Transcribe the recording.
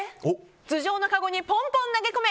頭上のカゴにポンポン投げ込め！